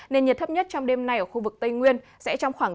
nền nhiệt thấp nhất trong đêm nay ở khu vực tây nguyên sẽ trong khoảng